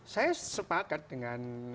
saya sepakat dengan